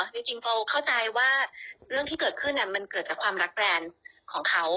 จริงพอเข้าใจว่าเรื่องที่เกิดขึ้นมันเกิดจากความรักแรนด์ของเขา